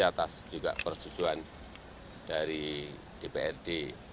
atas juga persetujuan dari dprd